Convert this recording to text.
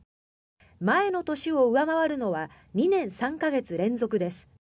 前の年を上回るのは２年３か月連続です。